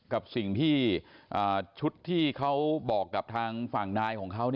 กับสิ่งที่ชุดที่เขาบอกกับทางฝั่งนายของเขา